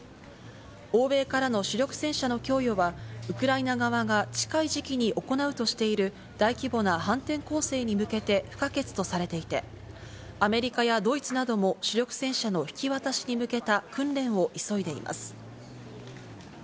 欧米からの主力戦車の供与はウクライナ側が近い時期に行うとしている大規模な反転攻勢に向けて不可欠とされていて、アメリカやドイツなども主力戦車の引き渡しに向けた訓練を急いでいます。